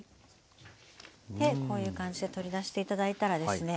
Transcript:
でこういう感じで取り出して頂いたらですね。